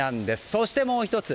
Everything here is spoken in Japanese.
そして、もう１つ。